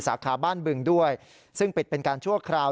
สาขาบ้านบึงด้วยซึ่งปิดเป็นการชั่วคราว